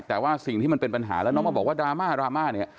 แต่ว่าสิ่งที่มันเป็นปัญหาแล้วน้องมาบอกว่าดราม่าดราม่าเนี่ย